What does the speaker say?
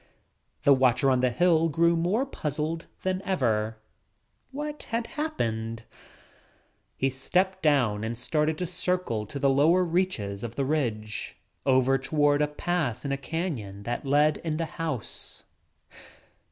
The watcher on the hill grew more puzzled than ever. What had happened? He stepped down and started to circle to the lower reaches of the ridge over toward a pass in a canyon that led to the house.